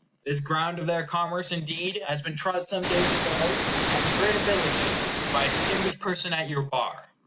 This ground of their commerce indeed has been trod some days ago, and with great ability, by a distinguished person at your bar.